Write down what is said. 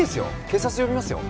警察呼びますよ